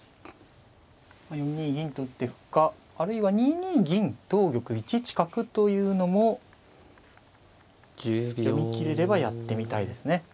４二銀と打っていくかあるいは２二銀同玉１一角というのも読み切れればやってみたいですね。